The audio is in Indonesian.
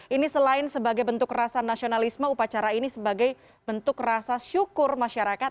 ini selain sebagai bentuk rasa nasionalisme upacara ini sebagai bentuk rasa syukur masyarakat